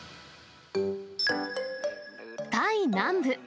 タイ南部。